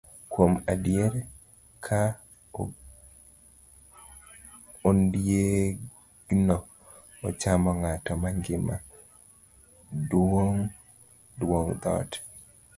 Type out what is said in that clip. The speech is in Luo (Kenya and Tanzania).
Kuom adier, ka ondiegno ochamo ng'ato mangima, dwong' dhoot.